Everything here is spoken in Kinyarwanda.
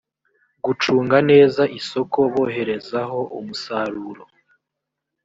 gucunga neza isoko boherezaho umusaruro